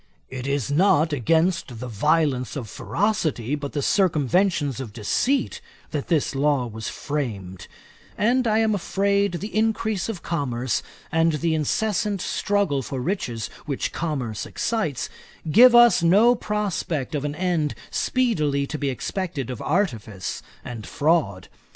It is not against the violence of ferocity, but the circumventions of deceit, that this law was framed; and I am afraid the increase of commerce, and the incessant struggle for riches which commerce excites, give us no prospect of an end speedily to be expected of artifice and fraud.